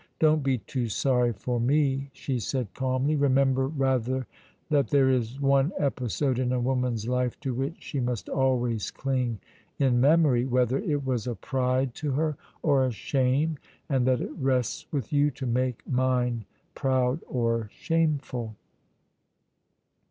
"Don't be too sorry for me," she said calmly; "remember, rather, that there is one episode in a woman's life to which she must always cling in memory, whether it was a pride to her or a shame, and that it rests with you to make mine proud or shameful."